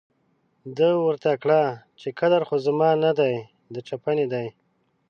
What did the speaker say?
ده ورته کړه چې قدر خو زما نه دی، د چپنې دی.